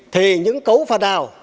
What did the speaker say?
thì những cấu phần nào